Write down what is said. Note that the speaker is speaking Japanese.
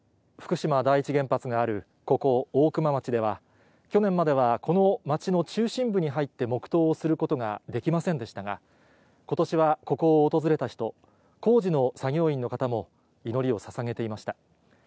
福島第一原発がある、ここ大熊町では、去年まではこの町の中心部に入って黙とうをすることができませんでしたが、ことしはここを訪れた人、工事の作業員の方も、祈りをささげていました。